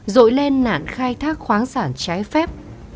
rội lên nạn khai thác khoáng sản trái phép